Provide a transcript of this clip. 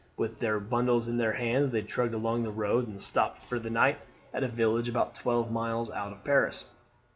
With their bundles in their hands they trudged along the road, and stopped for the night at a village about twelve miles out of Paris.